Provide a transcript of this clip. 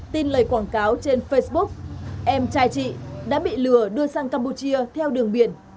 tin lời quảng cáo trên facebook em trai chị đã bị lừa đưa sang campuchia theo đường biển